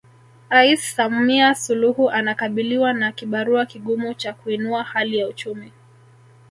ais Samia Suluhu anakabiliwa na kibarua kigumu cha kuinua hali ya uchumi